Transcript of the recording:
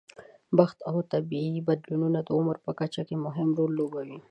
بخت او طبیعي بدلونونه د عمر په کچه کې مهم رول لوبوي.